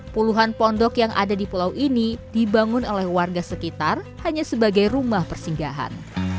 puluhan pondok yang ada di pulau ini dibangun oleh warga sekitar hanya sebagai rumah persinggahan